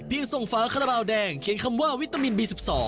ส่งฝาคาราบาลแดงเขียนคำว่าวิตามินบี๑๒